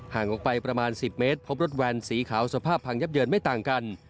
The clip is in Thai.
ห่างออกไปประมาณ๑๐เมตรพบรถแวนสีขาวสภาพพังยับเยินไม่ต่างกัน